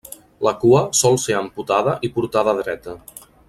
La cua sol ser amputada i portada dreta.